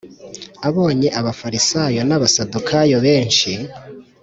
Abonye Abafarisayo n’Abasadukayo benshi